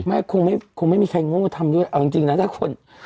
คงไม่มีใครโง่ทำด้วยเอาจริงนะถ้าคน